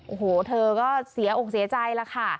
โอ้โหเธอก็เสียอกเสียใจแล้วค่ะ